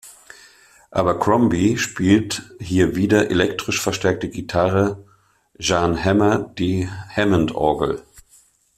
Abercrombie spielt hier wieder elektrisch verstärkte Gitarre, Jan Hammer die Hammondorgel.